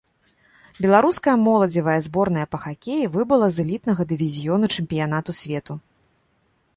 Беларуская моладзевая зборная па хакеі выбыла з элітнага дывізіёну чэмпіянату свету.